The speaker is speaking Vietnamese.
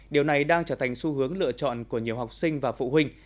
điều này đang trở thành xu hướng lựa chọn của nhiều học sinh và phụ huynh